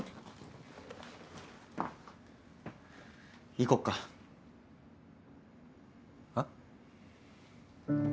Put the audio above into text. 行こっかえっ？